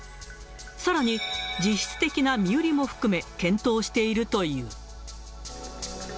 さらに、実質的な身売りも含め、検討しているという。